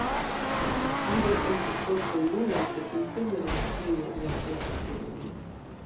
La absido estas ok-angula, sed interne la sanktejo jam estas duonronda.